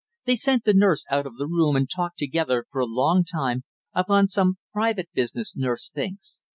They sent the nurse out of the room and talked together for a long time, upon some private business, nurse thinks.